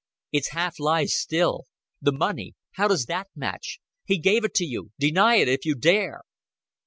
"It's half lies still. The money? How does that match? He gave it to you. Deny it if you dare."